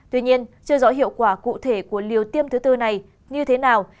tuy nhiên chưa rõ hiệu quả cụ thể của liều tiêm thứ tư này như thế nào